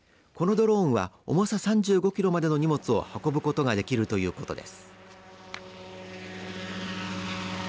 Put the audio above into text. このドローンは重さ３５キロまでの荷物を運ぶことができるということです。